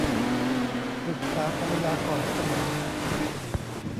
ปรึกษาภรรยาก่อนเสมอ